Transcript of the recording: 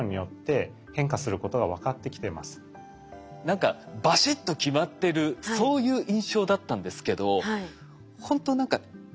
何かバシッと決まってるそういう印象だったんですけどほんと何かグラデーション。